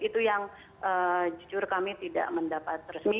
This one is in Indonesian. itu yang jujur kami tidak mendapat resmi